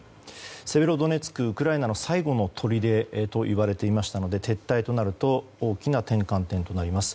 セベロドネツクウクライナの最後のとりでと言われていましたので撤退となると大きな転換点となります。